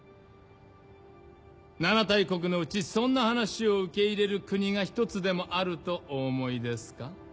七大国のうちそんな話を受け入れる国が一つでもあるとお思いですか？